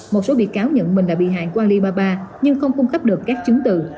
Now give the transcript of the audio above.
một số bị cáo nhận mình là bị hại của alibaba nhưng không cung cấp được các chứng tự